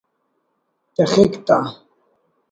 تخک تا